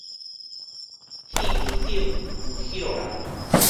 戲棚頂有彼號人